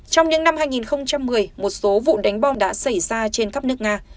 trong những năm hai nghìn một mươi một số vụ đánh bom đã xảy ra trên khắp nước nga